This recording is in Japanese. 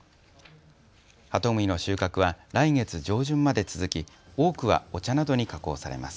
ハトムギの収穫は来月上旬まで続き多くはお茶などに加工されます。